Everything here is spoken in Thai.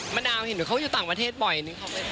มะนาวเห็นว่าเขาอยู่ต่างประเทศบ่อยนึกเขาไปเรียนไหม